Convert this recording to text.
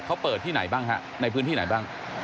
เขาเปิดที่ไหนบ้างฮะในพื้นที่ไหนบ้าง